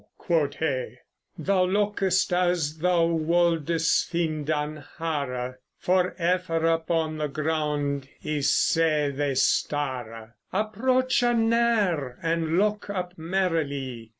quod he; 'Thou lokest as thou woldest finde an hare, For ever upon the ground I see thee stare. Approchë neer, and loke up merily....